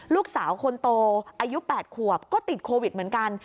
ลูกสาวคนโตอายุ๘ขวบก็ติดโควิดเหมือนกัน